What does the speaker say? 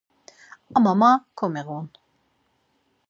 Ama man komiğun.